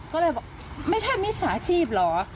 ก็เลยบอกไม่ใช่มิจฉาชีพเหรอ